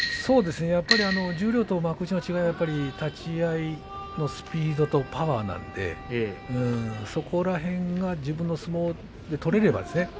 十両と幕内の違いは立ち合いのスピードとパワーなんでそこら辺が自分の相撲を取れればですね